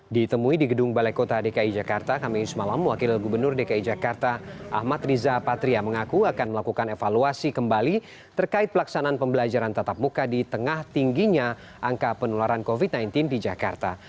ditemui di gedung balai kota dki jakarta kamis malam wakil gubernur dki jakarta ahmad riza patria mengaku akan melakukan evaluasi kembali terkait pelaksanaan pembelajaran tatap muka di tengah tingginya angka penularan covid sembilan belas di jakarta